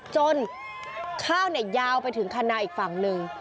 จนข้าวเนี่ยยาวไปถึงคณะอีกฝั่งหนึ่ง